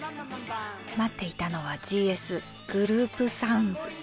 待っていたのはＧＳグループサウンズ。